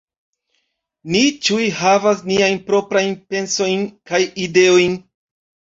Ni ĉiuj havas niajn proprajn pensojn kaj ideojn.